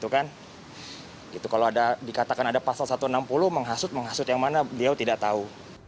kalau dikatakan ada pasal satu ratus enam puluh menghasut menghasut yang mana beliau tidak tahu